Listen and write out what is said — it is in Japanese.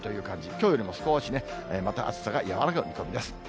きょうよりも少しまた暑さが和らぐ見込みです。